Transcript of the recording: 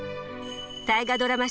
「大河ドラマ」